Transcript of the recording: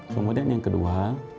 kemudian yang kedua